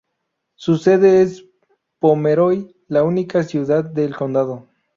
Su sede es Pomeroy, la única ciudad del condado.